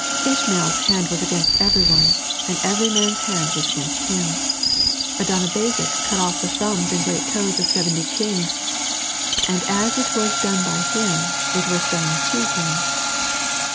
Ishmael'a hand was against everyone, and every man's hand was against him. Adonibezek cut off the thtuube and great toes of seventy kings ; and as it was done by him it was done to him.